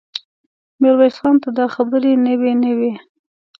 ميرويس خان ته دا خبرې نوې نه وې.